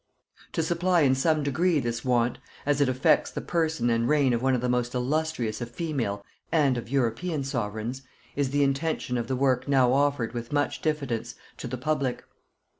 To supply in some degree this want, as it affects the person and reign of one of the most illustrious of female and of European sovereigns, is the intention of the work now offered with much diffidence to the public.